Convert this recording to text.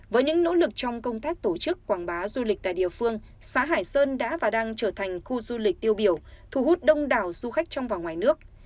với những nỗ lực trong công tác tổ chức quảng bá du lịch tại địa phương xã hải sơn đã và đang trở thành khu du lịch tiêu biểu thu hút đông đảo du khách trong và ngoài nước